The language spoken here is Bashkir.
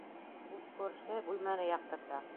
Ут күрше бүлмәне яҡтырта.